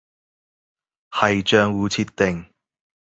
係賬戶設定